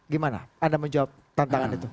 gimana anda menjawab tantangan itu